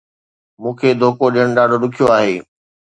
مون کي دوکو ڏيڻ ڏاڍو ڏکيو آهي